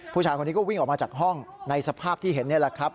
ผู้ชายคนนี้ก็วิ่งออกมาจากห้องในสภาพที่เห็นนี่แหละครับ